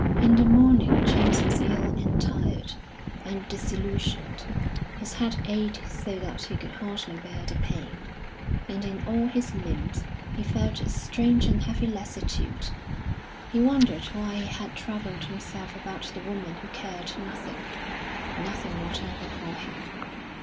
In the morning James was ill and tired, and disillusioned; his head ached so that he could hardly bear the pain, and in all his limbs he felt a strange and heavy lassitude. He wondered why he had troubled himself about the woman who cared nothing nothing whatever for him.